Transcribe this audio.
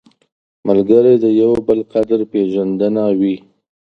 ملګری د یو بل قدر پېژندنه وي